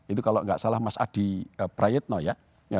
itu kalau nggak salah mas adi prayetno ya